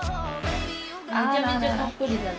めちゃめちゃたっぷりだね。